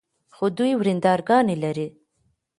خو دوې ورندرګانې لري.